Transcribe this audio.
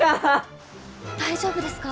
大丈夫ですか？